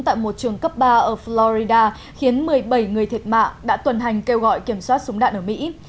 tại một trường cấp ba ở florida khiến một mươi bảy người thiệt mạng đã tuần hành kêu gọi kiểm soát súng đạn ở mỹ